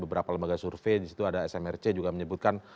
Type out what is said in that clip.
beberapa lembaga survei disitu ada smrc juga menyebutkan